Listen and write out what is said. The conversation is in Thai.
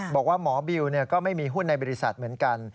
บอกว่าหมอบิวก็ไม่มีหุ้นในบริษัทเหมือนกัน